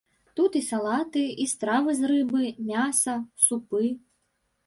Тут і салаты, і стравы з рыбы, мяса, супы.